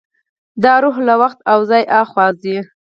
دا روح له وخت او ځای هاخوا ځي.